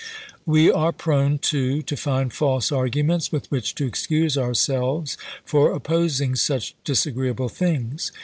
We are prone, too, to find false argu ments with which to excuse ourselves for opposing such disagreeable things.